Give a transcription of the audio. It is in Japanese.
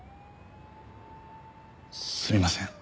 すみません。